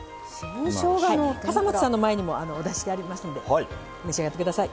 笠松さんの前にもお出ししてありますんで召し上がってください。